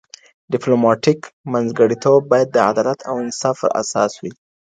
ډیپلوماټیک منځګړیتوب باید د عدالت او انصاف پر اساس وي.